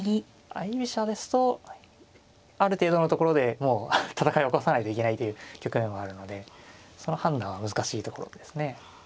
相居飛車ですとある程度のところでもう戦いを起こさないといけないという局面もあるのでその判断は難しいところですね。